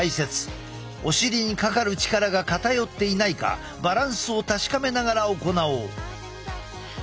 お尻にかかる力が偏っていないかバランスを確かめながら行おう。